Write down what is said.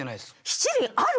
七輪ある？